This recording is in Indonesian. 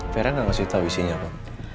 fira gak kasih tau isinya pak